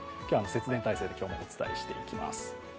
節電態勢で今日もお伝えしていきます。